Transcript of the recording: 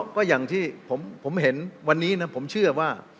ก็อย่างที่ผมเห็นวันนี้นะผมเชื่อว่า